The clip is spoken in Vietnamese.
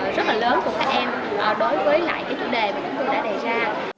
rất là lớn của các em đối với lại cái chủ đề mà chúng tôi đã đề ra